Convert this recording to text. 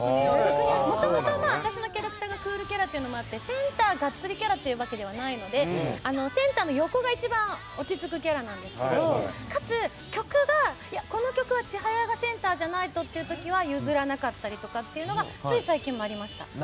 もともと私のキャラクターがクールキャラっていうのもあってセンターガッツリキャラというわけでもないのでセンターの横が一番落ち着くキャラなんですけどかつ曲がこの曲は千早がセンターじゃないとという時は譲らなかったりとかっていうのはつい最近もありました。